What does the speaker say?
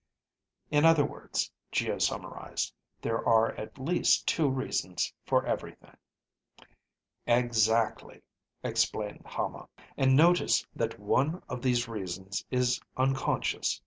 "In other words," Geo summarized, "there are at least two reasons for everything." "Exactly," explained Hama. "And notice that one of these reasons is unconscious.